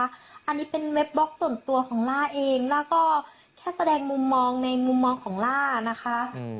อันนี้เป็นเว็บบล็อกส่วนตัวของล่าเองแล้วก็แค่แสดงมุมมองในมุมมองของล่านะคะ